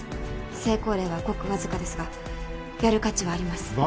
成功例はごく僅かですがやる価値はあります。